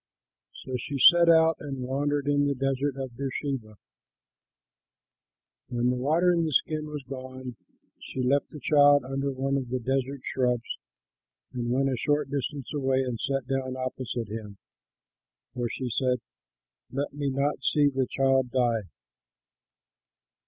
So she set out and wandered in the desert of Beersheba. When the water in the skin was gone, she left the child under one of the desert shrubs and went a short distance away and sat down opposite him, for she said, "Let me not see the child die."